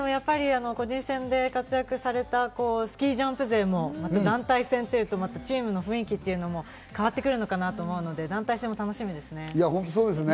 個人戦で活躍されたスキージャンプ勢も団体戦になるとまたチームの雰囲気っていうものも変わってくるのかなと思うので、団体戦も楽しみです。